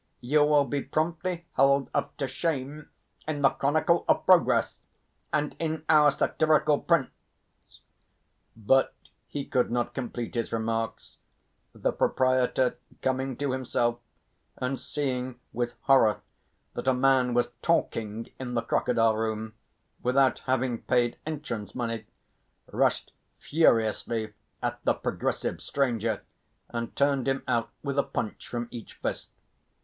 You will be promptly held up to shame in the Chronicle of Progress and in our satirical prints...." But he could not complete his remarks; the proprietor coming to himself, and seeing with horror that a man was talking in the crocodile room without having paid entrance money, rushed furiously at the progressive stranger and turned him out with a punch from each fist.